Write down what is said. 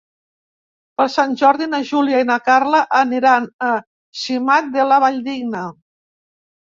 Per Sant Jordi na Júlia i na Carla aniran a Simat de la Valldigna.